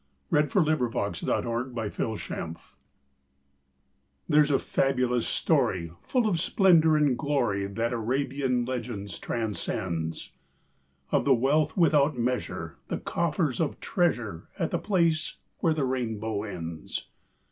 THE PLACE WHERE THE RAINBOW ENDS There's a fabulous story Full of splendor and glory, That Arabian legends transcends; Of the wealth without measure, The coffers of treasure, At the place where the rainbow ends.